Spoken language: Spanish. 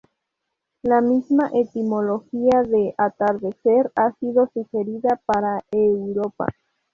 La misma etimología de ‘atardecer’ ha sido sugerida para "Europa".